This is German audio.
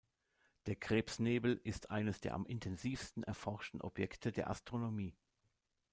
Der Krebsnebel ist eines der am intensivsten erforschten Objekte der Astronomie.